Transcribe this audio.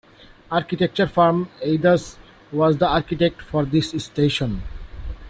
Architecture firm Aedas was the architect for this station.